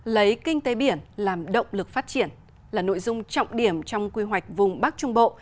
lấy kinh tế biển làm động lực phát triển là nội dung trọng điểm trong quy hoạch vùng bắc trung bộ